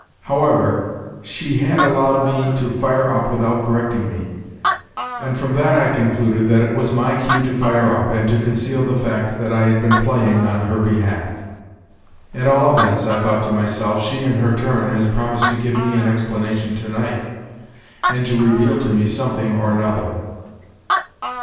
However, she had allowed me to fire up without correcting me, and from that I concluded that it was my cue to fire up, and to conceal the fact that I had been playing on her behalf. "At all events," I thought to myself, "she, in her turn, has promised to give me an explanation to night, and to reveal to me something or another."